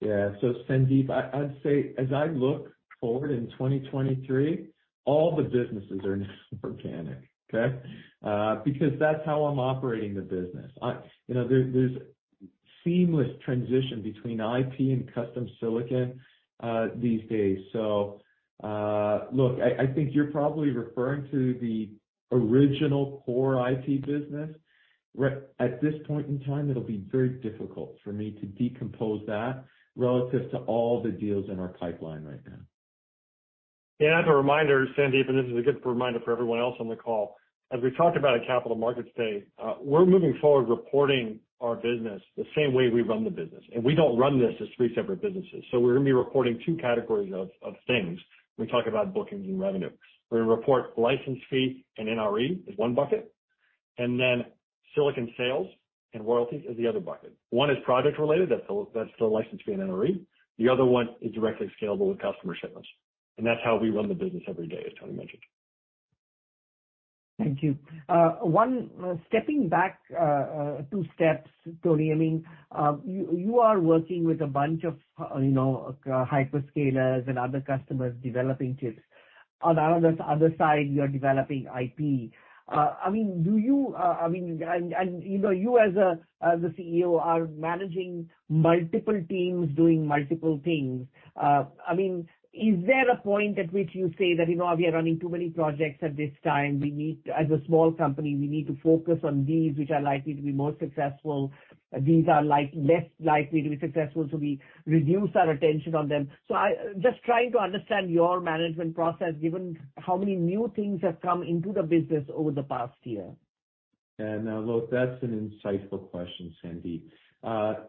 Yeah. Sandeep, I'd say as I look forward in 2023, all the businesses are now organic, okay? Because that's how I'm operating the business. You know, there's seamless transition between IP and custom silicon these days. Look, I think you're probably referring to the original core IP business. At this point in time, it'll be very difficult for me to decompose that relative to all the deals in our pipeline right now. As a reminder, Sandeep, and this is a good reminder for everyone else on the call, as we talked about in Capital Markets Day, we're moving forward reporting our business the same way we run the business. We don't run this as three separate businesses. We're gonna be reporting two categories of things when we talk about bookings and revenue. We're gonna report license fee and NRE as one bucket, and then silicon sales and royalties as the other bucket. One is project related, that's the license fee and NRE. The other one is directly scalable with customer shipments. That's how we run the business every day, as Tony mentioned. Thank you. Stepping back one, two steps, Tony. I mean, you are working with a bunch of, you know, hyperscalers and other customers developing chips. On the other side, you're developing IP. I mean, do you know, you as the CEO are managing multiple teams doing multiple things. I mean, is there a point at which you say that, "You know, we are running too many projects at this time. As a small company, we need to focus on these which are likely to be more successful. These are like, less likely to be successful, so we reduce our attention on them." Just trying to understand your management process, given how many new things have come into the business over the past year. Yeah. No, look, that's an insightful question, Sandeep.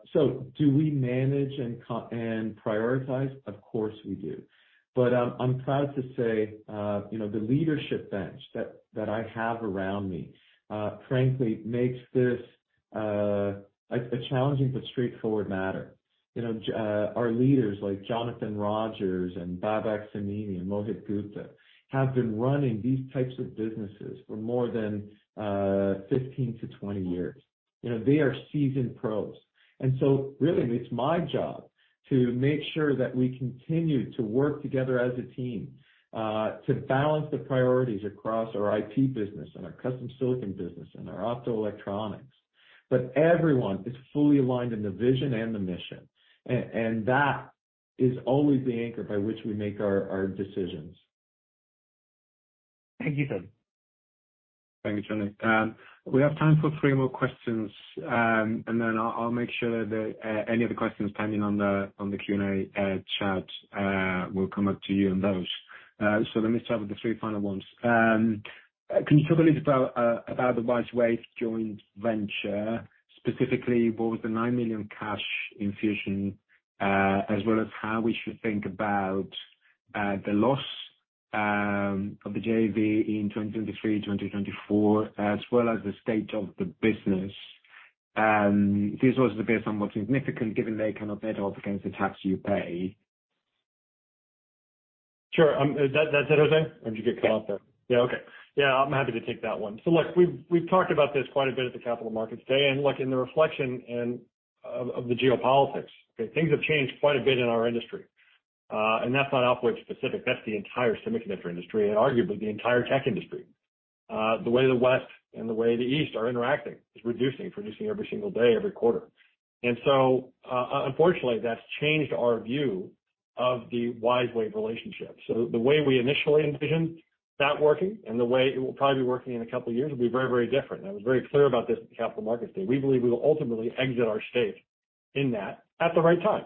Do we manage and prioritize? Of course, we do. I'm proud to say, you know, the leadership bench that I have around me, frankly, makes this a challenging but straightforward matter. You know, our leaders like Jonathan Rogers and Babak Samimi and Mohit Gupta have been running these types of businesses for more than 15 to 20 years. You know, they are seasoned pros. Really it's my job to make sure that we continue to work together as a team, to balance the priorities across our IP business and our custom silicon business and our optoelectronics. Everyone is fully aligned in the vision and the mission. That is always the anchor by which we make our decisions. Thank you, Tony. Thank you, Tony. We have time for three more questions, and then I'll make sure that any of the questions pending on the Q&A chat will come up to you on those. Let me start with the three final ones. Can you talk a little about the WiseWave joint venture, specifically what was the $9 million cash infusion, as well as how we should think about the loss of the JV in 2023, 2024, as well as the state of the business? This was somewhat significant given they cannot bet off against the tax you pay. Sure. That's it, Jose? Or did you get cut off there? Yeah. Okay. Yeah, I'm happy to take that one. Look, we've talked about this quite a bit at the Capital Markets Day, and look, in the reflection of the geopolitics, okay, things have changed quite a bit in our industry. And that's not Alphawave specific, that's the entire semiconductor industry and arguably the entire tech industry. The way the West and the way the East are interacting is reducing, producing every single day, every quarter. Unfortunately, that's changed our view of the WiseWave relationship. The way we initially envisioned that working and the way it will probably be working in a couple of years will be very, very different. I was very clear about this at the Capital Markets Day. We believe we will ultimately exit our stake in that at the right time.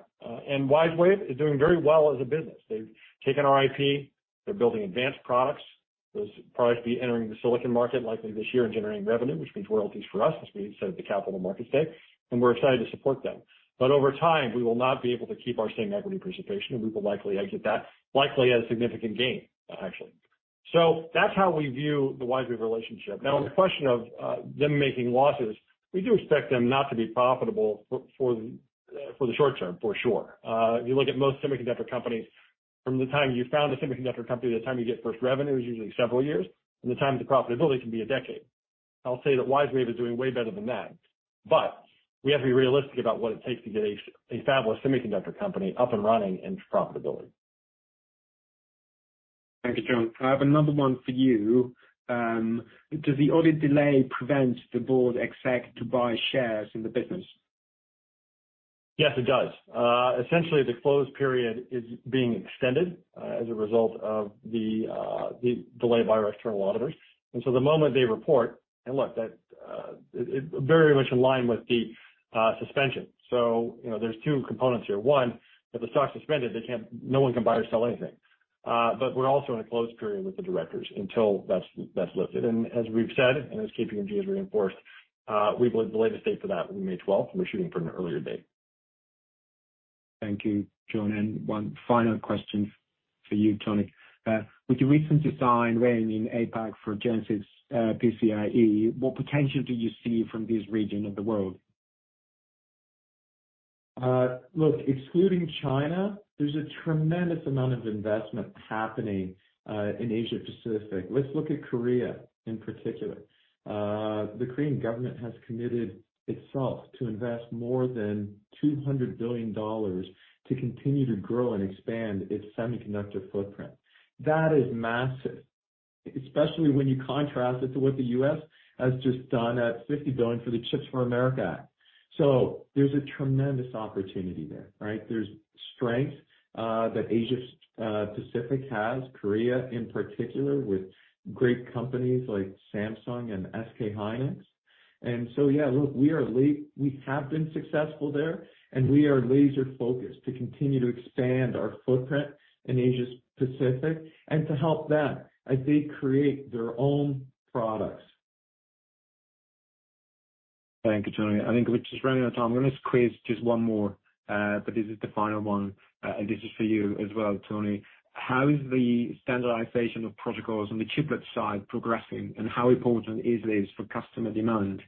WiseWave is doing very well as a business. They've taken our IP, they're building advanced products. Those products will be entering the silicon market likely this year and generating revenue, which means royalties for us, as we said at the Capital Markets Day, and we're excited to support them. Over time, we will not be able to keep our same equity participation, and we will likely exit that, likely at a significant gain, actually. That's how we view the WiseWave relationship. On the question of them making losses, we do expect them not to be profitable for the short term, for sure. If you look at most semiconductor companies, from the time you found a semiconductor company to the time you get first revenue is usually several years. From the time to profitability can be a decade. I'll say that WiseWave is doing way better than that. We have to be realistic about what it takes to get a fabulous semiconductor company up and running into profitability. Thank you, John. I have another one for you. Does the audit delay prevent the Board exec to buy shares in the business? Yes, it does. Essentially the closed period is being extended as a result of the delay by our external auditors. The moment they report, and look, that it very much in line with the suspension. You know, there's two components here. One, if the stock's suspended, no one can buy or sell anything. But we're also in a closed period with the directors until that's lifted. As we've said, and as KPMG has reinforced, we believe the latest date for that will be May 12th, and we're shooting for an earlier date. Thank you, John. One final question for you, Tony. With your recent design win in APAC for Genesis, PCIe, what potential do you see from this region of the world? Look, excluding China, there's a tremendous amount of investment happening in Asia Pacific. Let's look at Korea in particular. The Korean government has committed itself to invest more than $200 billion to continue to grow and expand its semiconductor footprint. That is massive, especially when you contrast it to what the U.S. has just done at $50 billion for the CHIPS and Science Act. There's a tremendous opportunity there, right? There's strength that Asia Pacific has, Korea in particular, with great companies like Samsung and SK hynix. Yeah, look, we have been successful there, and we are laser focused to continue to expand our footprint in Asia Pacific and to help them as they create their own products. Thank you, Tony. I think we're just running out of time. I'm gonna squeeze just one more, but this is the final one. This is for you as well, Tony. How is the standardization of protocols on the chiplet side progressing, and how important is this for customer demand?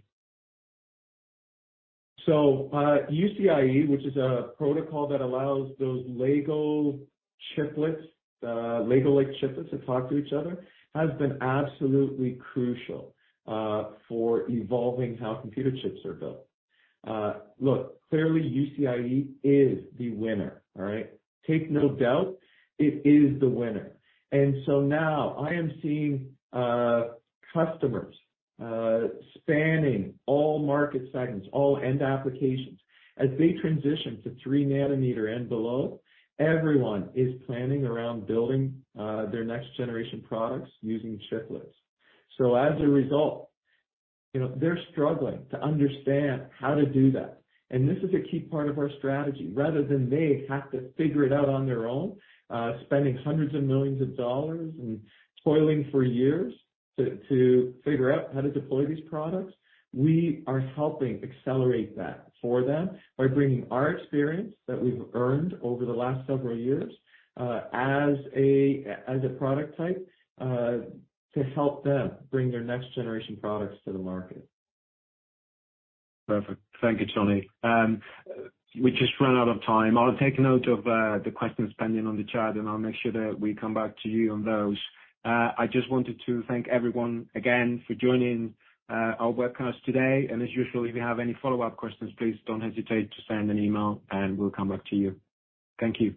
UCIe, which is a protocol that allows those Lego chiplets, Lego-like chiplets to talk to each other, has been absolutely crucial for evolving how computer chips are built. Look, clearly UCIe is the winner, all right? Take no doubt, it is the winner. Now I am seeing customers spanning all market segments, all end applications. As they transition to 3 nm and below, everyone is planning around building their next generation products using chiplets. As a result, you know, they're struggling to understand how to do that. This is a key part of our strategy. Rather than they have to figure it out on their own, spending hundreds of millions of dollars and toiling for years to figure out how to deploy these products, we are helping accelerate that for them by bringing our experience that we've earned over the last several years, as a, as a product type, to help them bring their next generation products to the market. Perfect. Thank you, Tony. We just ran out of time. I'll take note of the questions pending on the chat, and I'll make sure that we come back to you on those. I just wanted to thank everyone again for joining our webcast today. As usual, if you have any follow-up questions, please don't hesitate to send an email and we'll come back to you. Thank you.